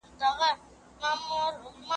علمي څېړنه تر شاعرانه تعبیر کره وي.